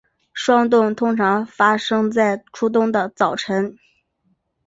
霜冻通常发生在初冬的早晨。